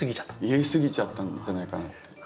入れ過ぎちゃったんじゃないかなって。